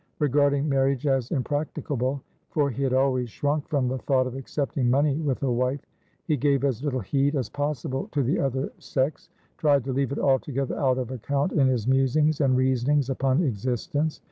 Regarding marriage as impracticablefor he had always shrunk from the thought of accepting money with a wifehe gave as little heed as possible to the other sex, tried to leave it altogether out of account in his musings and reasonings upon existence.